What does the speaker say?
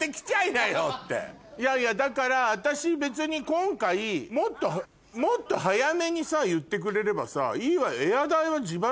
いやいやだから私別に今回もっと早めにさ言ってくれればさいいわよ。